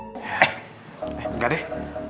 eh nggak deh